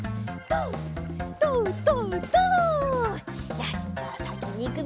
よしじゃあさきにいくぞ！